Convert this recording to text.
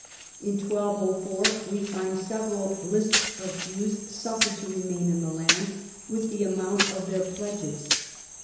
In 1204 we find several lists of Jews suffered to remain in the land, with the amount of their pledges.